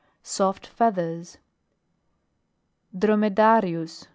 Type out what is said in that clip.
Soft feathers. DROMEDARIUS.